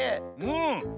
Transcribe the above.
うん。